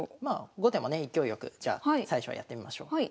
まあ後手もね勢いよくじゃあ最初はやってみましょう。